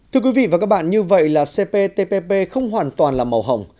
thưa quý vị và các bạn như vậy là cptpp không hoàn toàn là màu hồng